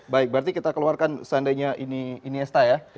baik berarti kita keluarkan seandainya iniesta ya